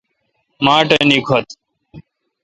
ماٹھ نیکتھ۔